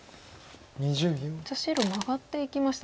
白マガっていきました。